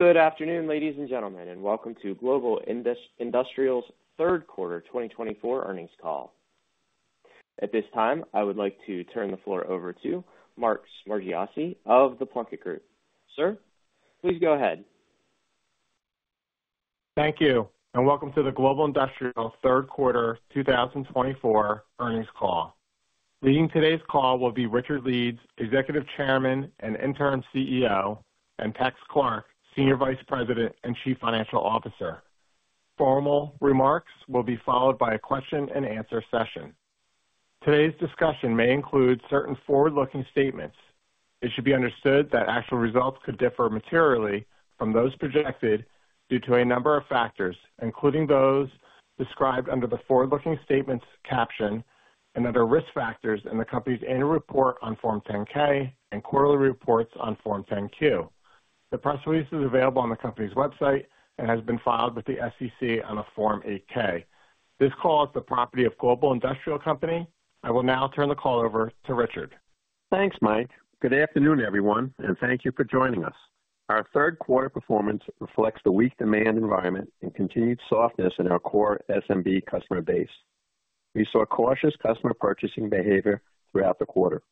Good afternoon, ladies and gentlemen, and welcome to Global Industrial's Q3 2024 Earnings Call. At this time, I would like to turn the floor over to Mark Smargiassi of The Plunkett Group. Sir, please go ahead. Thank you, and welcome to the Global Industrial Q3 2024 earnings call. Leading today's call will be Richard Leeds, Executive Chairman and Interim CEO, and Tex Clark, Senior Vice President and Chief Financial Officer. Formal remarks will be followed by a question-and-answer session. Today's discussion may include certain forward-looking statements. It should be understood that actual results could differ materially from those projected due to a number of factors, including those described under the forward-looking statements caption and other risk factors in the company's annual report on Form 10-K and quarterly reports on Form 10-Q. The press release is available on the company's website and has been filed with the SEC on a Form 8-K. This call is the property of Global Industrial Company. I will now turn the call over to Richard. Thanks, Mark. Good afternoon, everyone, and thank you for joining us. Our Q3 performance reflects the weak demand environment and continued softness in our core SMB customer base. We saw cautious customer purchasing behavior throughout the quarter.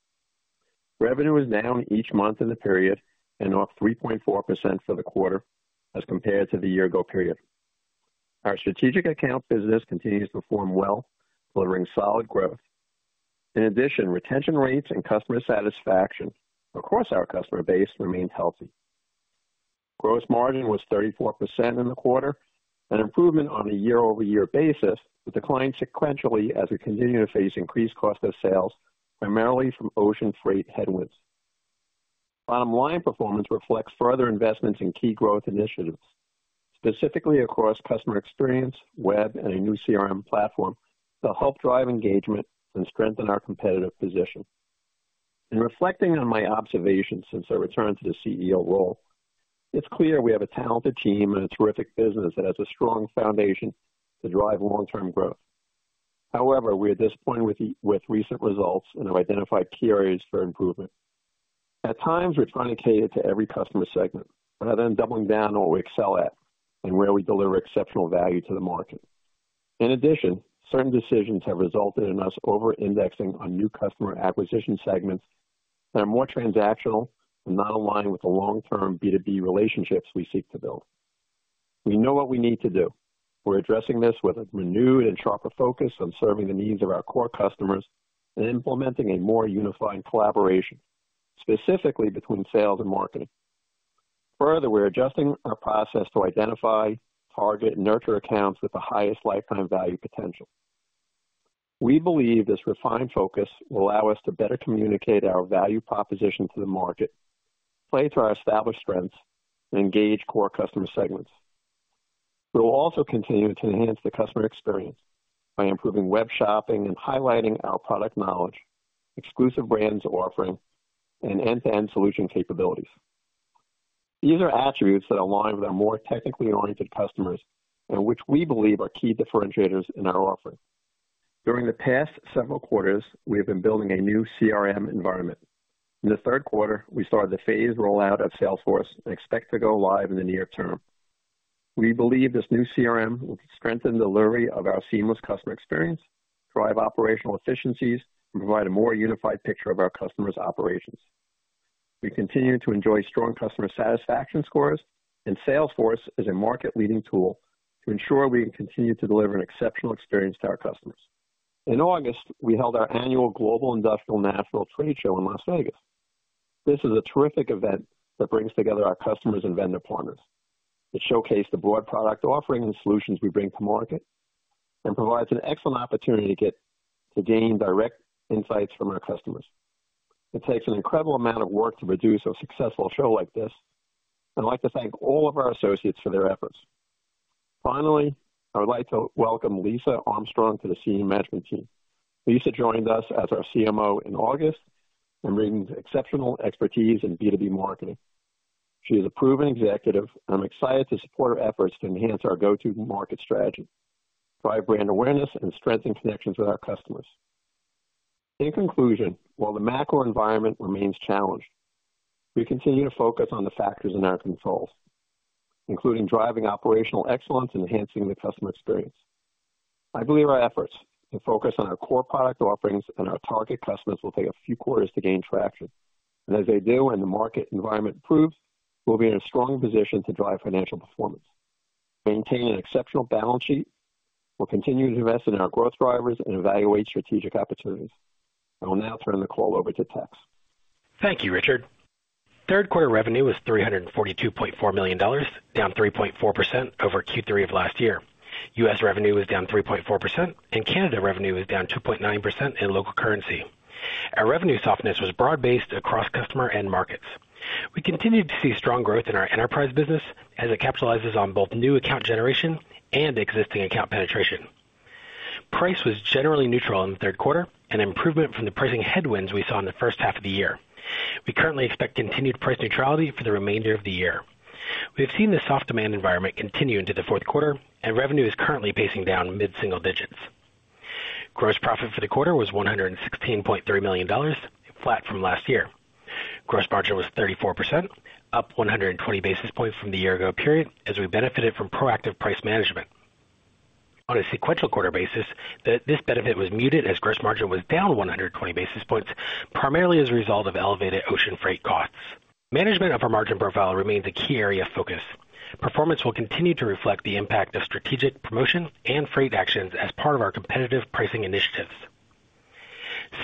Revenue is down each month in the period and up 3.4% for the quarter as compared to the year-ago period. Our strategic accounts business continues to perform well, delivering solid growth. In addition, retention rates and customer satisfaction across our customer base remained healthy. Gross margin was 34% in the quarter, an improvement on a year-over-year basis, but declined sequentially as we continue to face increased cost of sales, primarily from ocean freight headwinds. Bottom-line performance reflects further investments in key growth initiatives, specifically across customer experience, web, and a new CRM platform that'll help drive engagement and strengthen our competitive position. In reflecting on my observations since I returned to the CEO role, it's clear we have a talented team and a terrific business that has a strong foundation to drive long-term growth. However, we're at this point with recent results and have identified key areas for improvement. At times, we're trying to cater to every customer segment, rather than doubling down on what we excel at and where we deliver exceptional value to the market. In addition, certain decisions have resulted in us over-indexing on new customer acquisition segments that are more transactional and not aligned with the long-term B2B relationships we seek to build. We know what we need to do. We're addressing this with a renewed and sharper focus on serving the needs of our core customers and implementing a more unified collaboration, specifically between sales and marketing. Further, we're adjusting our process to identify, target, and nurture accounts with the highest lifetime value potential. We believe this refined focus will allow us to better communicate our value proposition to the market, play to our established strengths, and engage core customer segments. We'll also continue to enhance the customer experience by improving web shopping and highlighting our product knowledge, exclusive brands offering, and end-to-end solution capabilities. These are attributes that align with our more technically oriented customers and which we believe are key differentiators in our offering. During the past several quarters, we have been building a new CRM environment. In the Q3, we started the phased rollout of Salesforce and expect to go live in the near term. We believe this new CRM will strengthen the delivery of our seamless customer experience, drive operational efficiencies, and provide a more unified picture of our customers' operations. We continue to enjoy strong customer satisfaction scores, and Salesforce is a market-leading tool to ensure we can continue to deliver an exceptional experience to our customers. In August, we held our annual Global Industrial National Trade Show in Las Vegas. This is a terrific event that brings together our customers and vendor partner products. It showcased the broad product offering and solutions we bring to market and provides an excellent opportunity to gain direct insights from our customers. It takes an incredible amount of work to produce a successful show like this, and I'd like to thank all of our associates for their efforts. Finally, I would like to welcome Lisa Armstrong to the senior management team. Lisa joined us as our CMO in August and brings exceptional expertise in B2B marketing. She is a proven executive, and I'm excited to support her efforts to enhance our go-to-market strategy, drive brand awareness, and strengthen connections with our customers. In conclusion, while the macro environment remains challenged, we continue to focus on the factors in our controls, including driving operational excellence and enhancing the customer experience. I believe our efforts to focus on our core product offerings and our target customers will take a few quarters to gain traction, and as they do and the market environment improves, we'll be in a strong position to drive financial performance. Maintaining an exceptional balance sheet, we'll continue to invest in our growth drivers and evaluate strategic opportunities. I will now turn the call over to Tex. Thank you, Richard. Q3 revenue was $342.4 million, down 3.4% over Q3 of last year. US revenue was down 3.4%, and Canada revenue was down 2.9% in local currency. Our revenue softness was broad-based across customer and markets. We continued to see strong growth in our enterprise business as it capitalizes on both new account generation and existing account penetration. Price was generally neutral in the Q3, an improvement from the pricing headwinds we saw in the H1 of the year. We currently expect continued price neutrality for the remainder of the year. We have seen the soft demand environment continue into the Q4, and revenue is currently pacing down mid-single digits. Gross profit for the quarter was $116.3 million, flat from last year. Gross margin was 34%, up 120 basis points from the year-ago period, as we benefited from proactive price management. On a sequential quarter basis, this benefit was muted as gross margin was down 120 basis points, primarily as a result of elevated ocean freight costs. Management of our margin profile remains a key area of focus. Performance will continue to reflect the impact of strategic promotion and freight actions as part of our competitive pricing initiatives.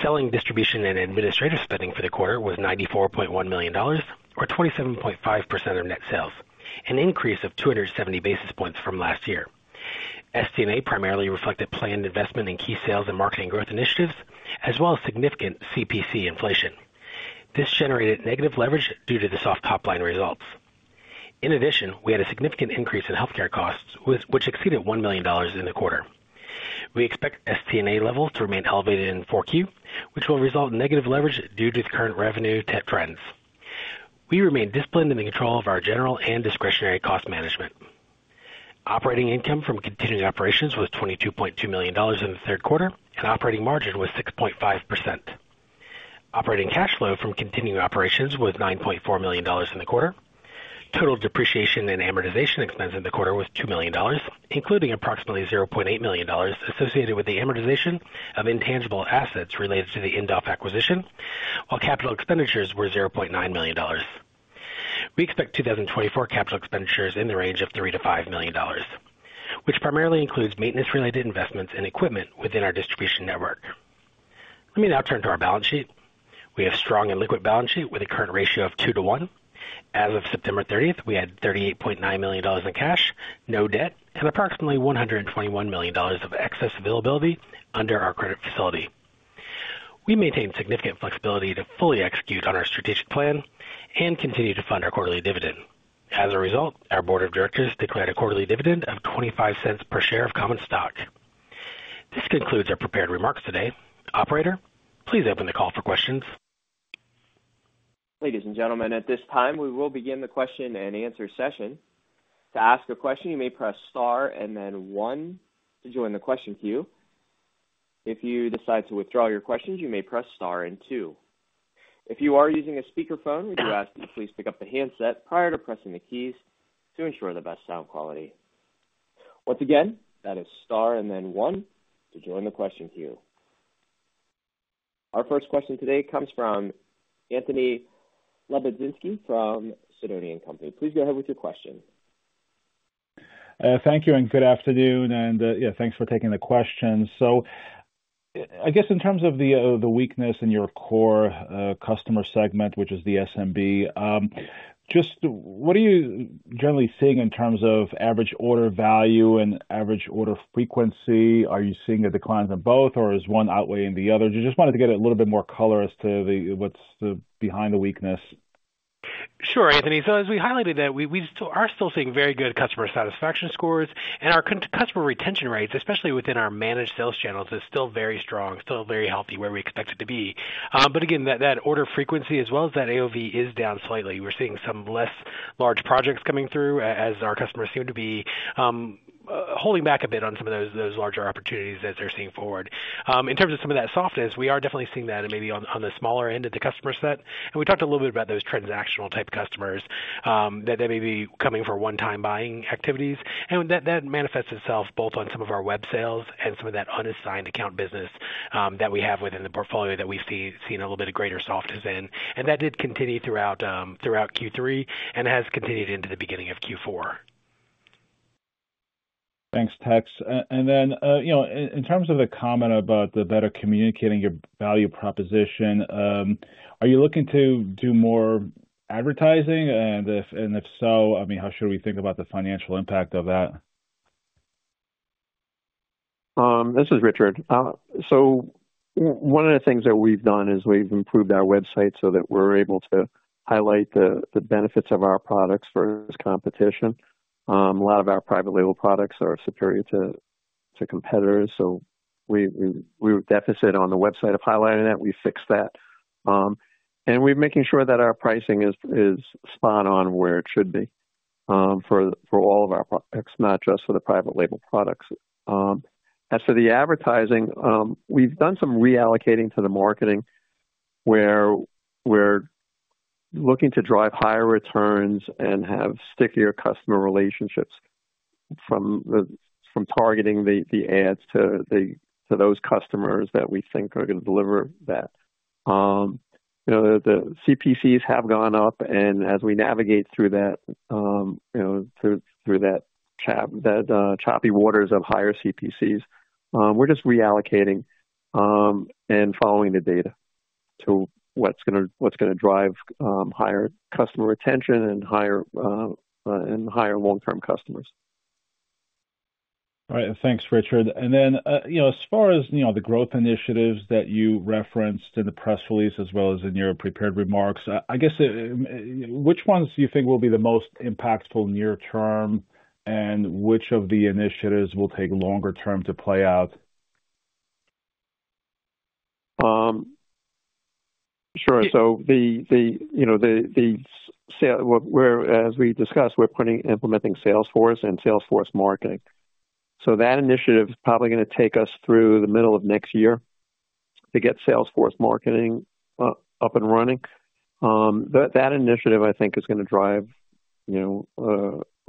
Selling, distribution, and administrative spending for the quarter was $94.1 million, or 27.5% of net sales, an increase of 270 basis points from last year. SD&A primarily reflected planned investment in key sales and marketing growth initiatives, as well as significant CPC inflation. This generated negative leverage due to the soft top-line results. In addition, we had a significant increase in healthcare costs, which exceeded $1 million in the quarter. We expect SD&A levels to remain elevated in 4Q, which will result in negative leverage due to the current revenue-type trends. We remain disciplined in the control of our general and discretionary cost management. Operating income from continuing operations was $22.2 million in the Q3, and operating margin was 6.5%. Operating cash flow from continuing operations was $9.4 million in the quarter. Total depreciation and amortization expense in the quarter was $2 million, including approximately $0.8 million associated with the amortization of intangible assets related to the Indoff acquisition, while capital expenditures were $0.9 million. We expect 2024 capital expenditures in the range of $3-$5 million, which primarily includes maintenance-related investments and equipment within our distribution network. Let me now turn to our balance sheet. We have a strong and liquid balance sheet with a current ratio of 2 to 1. As of September 30th, we had $38.9 million in cash, no debt, and approximately $121 million of excess availability under our credit facility. We maintained significant flexibility to fully execute on our strategic plan and continue to fund our quarterly dividend. As a result, our board of directors declared a quarterly dividend of $0.25 per share of common stock. This concludes our prepared remarks today. Operator, please open the call for questions. Ladies and gentlemen, at this time, we will begin the question-and-answer session. To ask a question, you may press Star and then 1 to join the question queue. If you decide to withdraw your questions, you may press Star and 2. If you are using a speakerphone, we do ask that you please pick up the handset prior to pressing the keys to ensure the best sound quality. Once again, that is Star and then 1 to join the question queue. Our first question today comes from Anthony Lebiedzinski from Sidoti & Company. Please go ahead with your question. Thank you, and good afternoon, and yeah, thanks for taking the question. So I guess in terms of the weakness in your core customer segment, which is the SMB, just what are you generally seeing in terms of average order value and average order frequency? Are you seeing a decline in both, or is one outweighing the other? Just wanted to get a little bit more color as to what's behind the weakness. Sure, Anthony, so as we highlighted that, we are still seeing very good customer satisfaction scores, and our customer retention rates, especially within our managed sales channels, are still very strong, still very healthy, where we expect it to be, but again, that order frequency, as well as that AOV, is down slightly. We're seeing some less large projects coming through, as our customers seem to be holding back a bit on some of those larger opportunities that they're seeing forward. In terms of some of that softness, we are definitely seeing that maybe on the smaller end of the customer set, and we talked a little bit about those transactional-type customers that may be coming for one-time buying activities. And that manifests itself both on some of our web sales and some of that unassigned account business that we have within the portfolio that we've seen a little bit of greater softness in. And that did continue throughout Q3 and has continued into the beginning of Q4. Thanks, Tex. And then, in terms of the comment about better communicating your value proposition, are you looking to do more advertising? And if so, I mean, how should we think about the financial impact of that? This is Richard, so one of the things that we've done is we've improved our website so that we're able to highlight the benefits of our products versus competition. A lot of our private label products are superior to competitors, so we were deficient on the website of highlighting that. We fixed that, and we're making sure that our pricing is spot on where it should be for all of our products, not just for the private label products. As for the advertising, we've done some reallocating to the marketing where we're looking to drive higher returns and have stickier customer relationships from targeting the ads to those customers that we think are going to deliver that. The CPCs have gone up, and as we navigate through that choppy waters of higher CPCs, we're just reallocating and following the data to what's going to drive higher customer retention and higher long-term customers. All right. Thanks, Richard. And then as far as the growth initiatives that you referenced in the press release as well as in your prepared remarks, I guess which ones do you think will be the most impactful near term, and which of the initiatives will take longer term to play out? Sure. So as we discussed, we're implementing Salesforce and Salesforce Marketing. So that initiative is probably going to take us through the middle of next year to get Salesforce Marketing up and running. That initiative, I think, is going to drive a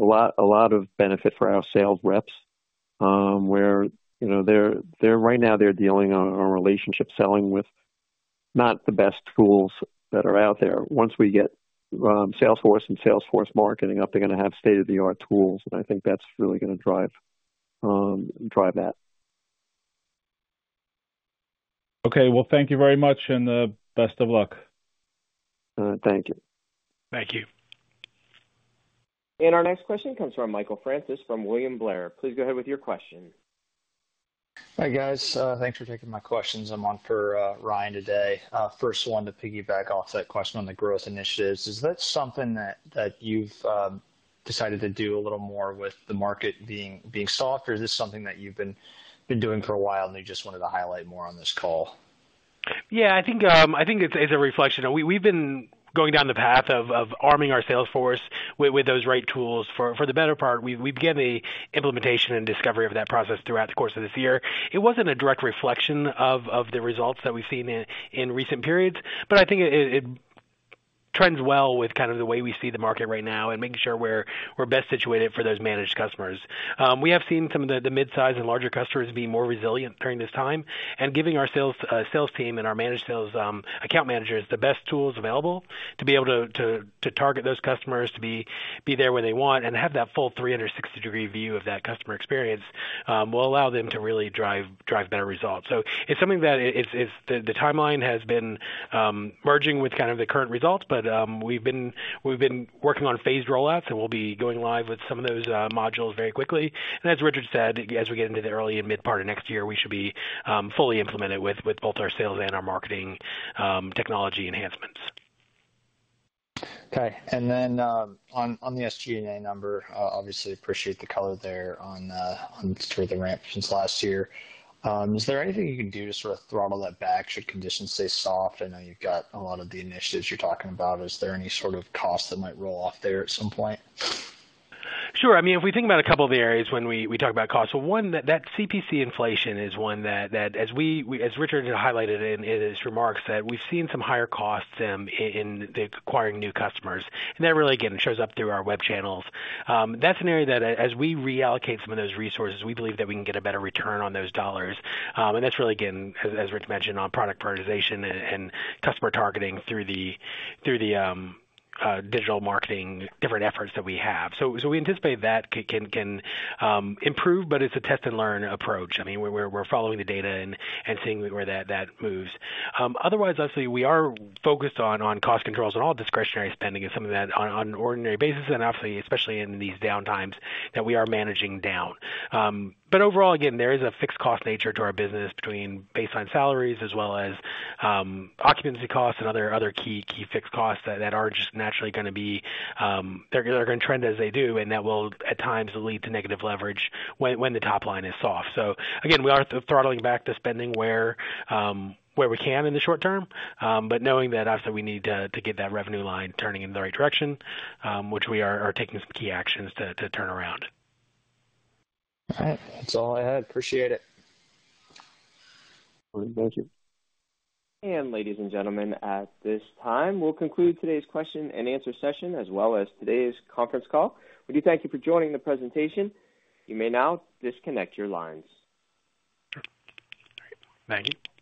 lot of benefit for our sales reps where right now they're dealing on relationship selling with not the best tools that are out there. Once we get Salesforce and Salesforce Marketing up, they're going to have state-of-the-art tools, and I think that's really going to drive that. Okay. Well, thank you very much, and best of luck. Thank you. Thank you. Our next question comes from Michael Francis from William Blair. Please go ahead with your question. Hi, guys. Thanks for taking my questions. I'm on for Ryan today. First one to piggyback off that question on the growth initiatives. Is that something that you've decided to do a little more with the market being soft, or is this something that you've been doing for a while and you just wanted to highlight more on this call? Yeah, I think it's a reflection. We've been going down the path of arming our Salesforce with those right tools. For the better part, we began the implementation and discovery of that process throughout the course of this year. It wasn't a direct reflection of the results that we've seen in recent periods, but I think it trends well with kind of the way we see the market right now and making sure we're best situated for those managed customers. We have seen some of the mid-size and larger customers be more resilient during this time, and giving our sales team and our managed sales account managers the best tools available to be able to target those customers, to be there where they want, and have that full 360-degree view of that customer experience will allow them to really drive better results. It's something that the timeline has been merging with kind of the current results, but we've been working on phased rollouts, and we'll be going live with some of those modules very quickly. As Richard said, as we get into the early and mid-part of next year, we should be fully implemented with both our sales and our marketing technology enhancements. Okay. And then on the SG&A number, obviously, appreciate the color there on the ramp since last year. Is there anything you can do to sort of throttle that back should conditions stay soft? I know you've got a lot of the initiatives you're talking about. Is there any sort of cost that might roll off there at some point? Sure. I mean, if we think about a couple of the areas when we talk about cost, well, one, that CPC inflation is one that, as Richard highlighted in his remarks, that we've seen some higher costs in acquiring new customers. And that really, again, shows up through our web channels. That's an area that, as we reallocate some of those resources, we believe that we can get a better return on those dollars. And that's really, again, as Richard mentioned, on product prioritization and customer targeting through the digital marketing different efforts that we have. So we anticipate that can improve, but it's a test-and-learn approach. I mean, we're following the data and seeing where that moves. Otherwise, obviously, we are focused on cost controls, and all discretionary spending is something that, on an ordinary basis, and obviously, especially in these downtimes, that we are managing down. But overall, again, there is a fixed cost nature to our business between baseline salaries as well as occupancy costs and other key fixed costs that are just naturally going to be there, they're going to trend as they do, and that will, at times, lead to negative leverage when the top line is soft. So again, we are throttling back the spending where we can in the short term, but knowing that, obviously, we need to get that revenue line turning in the right direction, which we are taking some key actions to turn around. All right. That's all I had. Appreciate it. Thank you. And ladies and gentlemen, at this time, we'll conclude today's question-and-answer session as well as today's conference call. We do thank you for joining the presentation. You may now disconnect your lines. Thank you.